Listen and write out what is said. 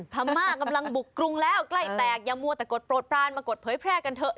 พม่ากำลังบุกกรุงแล้วใกล้แตกอย่ามัวแต่กดโปรดปรานมากดเผยแพร่กันเถอะ